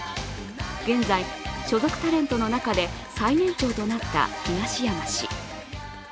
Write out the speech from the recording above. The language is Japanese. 現在、所属タレントの中で最年長となった東山氏。